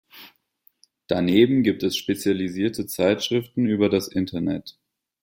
Daneben gibt es spezialisierte Zeitschriften über das Internet.